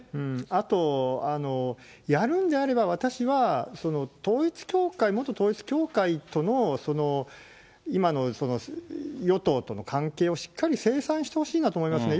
あと、やるんであれば、私は統一教会、元統一教会との、今の与党との関係をしっかり清算してほしいなと思いますね。